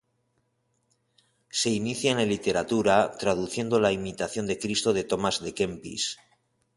Se inicia en la literatura traduciendo la ""Imitación de Cristo"" de Tomás de Kempis.